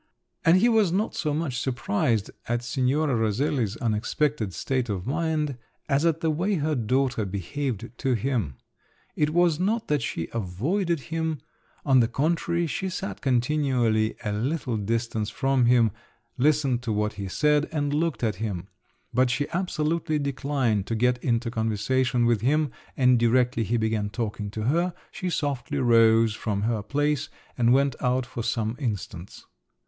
And he was not so much surprised at Signora Roselli's unexpected state of mind, as at the way her daughter behaved to him. It was not that she avoided him … on the contrary she sat continually a little distance from him, listened to what he said, and looked at him; but she absolutely declined to get into conversation with him, and directly he began talking to her, she softly rose from her place, and went out for some instants.